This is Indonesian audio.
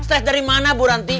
stres dari mana buranti